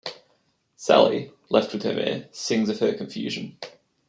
Sally, left with her mare, sings of her confusion.